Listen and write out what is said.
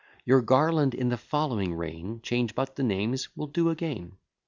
Your garland, in the following reign, Change but the names, will do again.